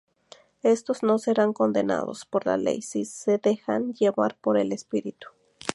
Estos no serán condenados por la ley si se dejan llevar por el Espíritu.